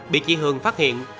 bị chị hường phát hiện